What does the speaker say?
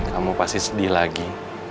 mulai deh kamu pasti sedih lagi